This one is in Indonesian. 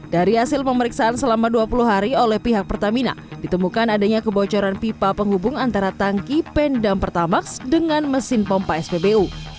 dari hasil pemeriksaan selama dua puluh hari oleh pihak pertamina ditemukan adanya kebocoran pipa penghubung antara tangki pendam pertamax dengan mesin pompa spbu